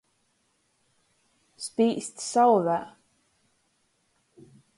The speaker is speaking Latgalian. Spīst sauvē.